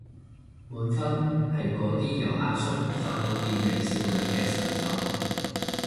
滿分係嗰啲由阿叔化到變美少女嘅神手